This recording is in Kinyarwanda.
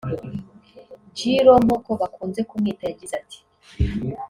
J Lo nk’uko bakunze kumwita yagize ati